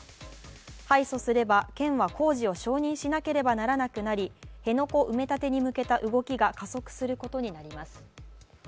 敗訴すれば県は工事を承認しなければならなくなり辺野古埋め立てに向けた動きが加速することになります。